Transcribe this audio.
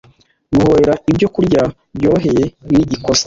Guhorera ibyokurya byorohereye ni ikosa